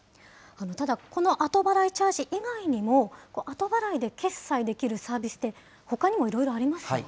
ただ、この後払いチャージ以外にも、後払いで決済できるサービスってほかにもいろいろありますよね。